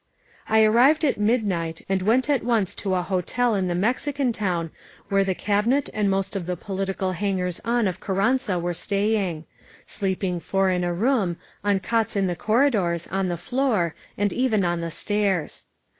I arrived at midnight and went at once to a hotel in the Mexican town where the Cabinet and most of the political hangers on of Carranza were staying; sleeping foiir in a room, on cots in the corridors, on the floor, and even on the stairs.